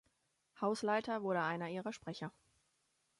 Haußleiter wurde einer ihrer Sprecher.